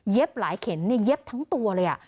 หลายเข็มเย็บทั้งตัวเลย